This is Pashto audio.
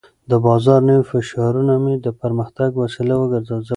د بازار نوي فشارونه مې د پرمختګ وسیله وګرځول.